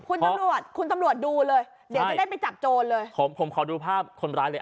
คุณตำรวจคุณตำรวจดูเลยเดี๋ยวจะได้ไปจับโจรเลยผมผมขอดูภาพคนร้ายเลย